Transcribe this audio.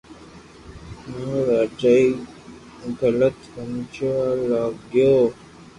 ھين راجا ني غلط ھمجوا لاگيو